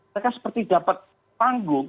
mereka seperti dapat panggung